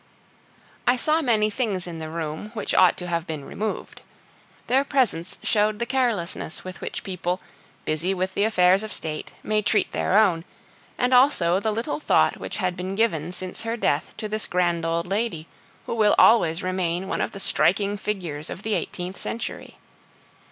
I saw many things in the room which ought to have been removed. Their presence showed the carelessness with which people, busy with the affairs of state, may treat their own, and also the little thought which had been given since her death to this grand old lady, who will always remain one of the striking figures of the eighteenth century.